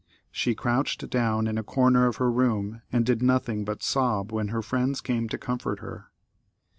She crouched down in a comer of her room, and did nothing but sob when her friends came to try and comfort her.